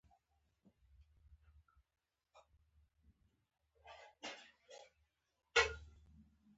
ويې ويل اوس نو دا مه وايه چې نعماني صاحب نه پېژنم.